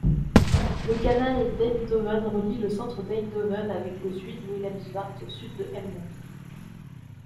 Le Canal d'Eindhoven relie le centre d'Eindhoven avec le Zuid-Willemsvaart au sud de Helmond.